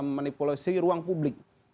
memanipulasi ruang publik